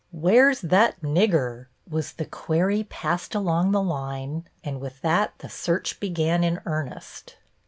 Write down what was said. "Where's that Nigger?" was the query passed along the line, and with that the search began in earnest.